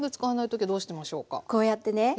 こうやってね